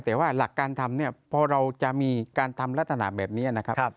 แต่ว่าหลักการทำเนี่ยพอเราจะมีการทำลักษณะแบบนี้นะครับ